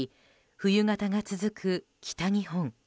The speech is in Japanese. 冬型が続く北日本。